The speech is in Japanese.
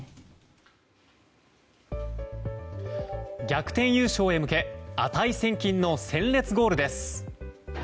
逆転優勝へ向け値千金の鮮烈ゴールです。